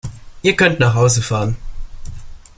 Ihr könnt nach Hause fahren!